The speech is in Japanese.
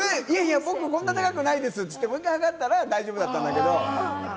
僕、こんな高くないですって言って、もう１回測ったら大丈夫だったんだけれども。